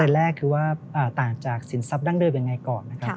แรกคือว่าต่างจากสินทรัพย์ดั้งเดิมยังไงก่อนนะครับ